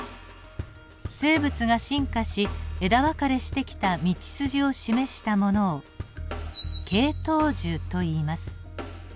生物が進化し枝分かれしてきた道筋を示したものを系統樹といいます。